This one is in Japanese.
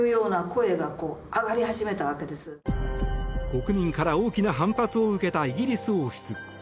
国民から大きな反発を受けたイギリス王室。